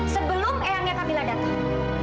sebelum eangnya kamilah datang